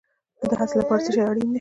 د هڅې لپاره څه شی اړین دی؟